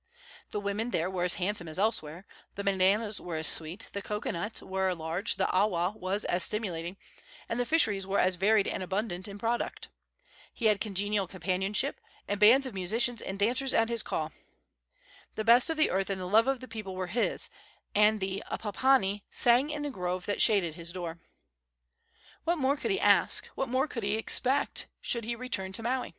The women there were as handsome as elsewhere, the bananas were as sweet, the cocoanuts were as large, the awa was as stimulating, and the fisheries were as varied and abundant in product. He had congenial companionship, and bands of musicians and dancers at his call. The best of the earth and the love of the people were his, and the apapani sang in the grove that shaded his door. What more could he ask, what more expect should he return to Maui?